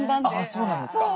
そうなんですか。